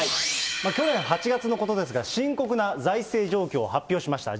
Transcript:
去年８月のことですが、深刻な財政状況を発表しました。